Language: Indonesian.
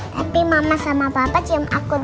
tapi mama sama bapak jam aku dulu